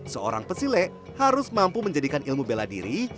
seorang pesilek harus mampu menjadikan ilmu bela diri